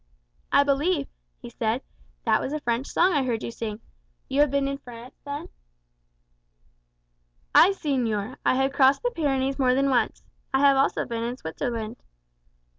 "I believe," he said, "that was a French song I heard you sing. You have been in France, then?" "Ay, señor; I have crossed the Pyrenees more than once. I have also been in Switzerland."